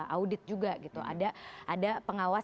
audit juga ada pengawas